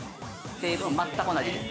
成分は全く同じです。